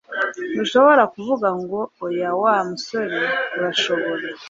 Ntushobora kuvuga ngo oya Wa musore, urashobora?